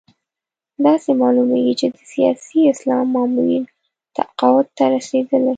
داسې معلومېږي چې د سیاسي اسلام مامورین تقاعد ته رسېدلي.